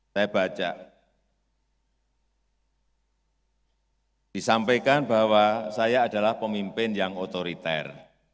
saya baca disampaikan bahwa saya adalah pemimpin yang otoriter